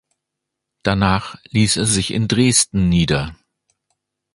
Danach ließ er sich in Dresden nieder.